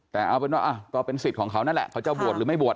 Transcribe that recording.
แต่เอาเป็นว่าก็เป็นสิทธิ์ของเขานั่นแหละเขาจะบวชหรือไม่บวช